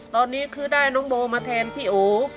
ตอนนี้คือได้น้องโบมาแทนพี่โอ